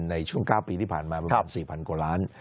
ในช่วง๙ปีที่ผ่านมาประมาณ๔๐๐กว่าล้าน